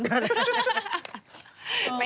เดี๋ยวหน่า